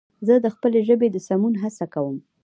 زه د خپلې ژبې د سمون هڅه کوم